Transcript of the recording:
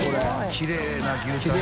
きれいな牛タン。